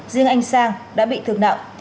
riêng anh sang đã bị thường nặng